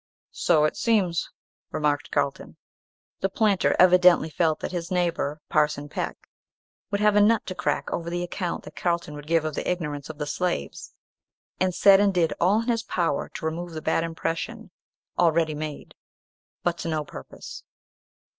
"So it seems," remarked Carlton. The planter evidently felt that his neighbour, Parson Peck, would have a nut to crack over the account that Carlton would give of the ignorance of the slaves, and said and did all in his power to remove the bad impression already made; but to no purpose.